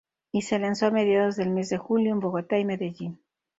Y se lanzó a mediados del mes de Julio en Bogotá y Medellín.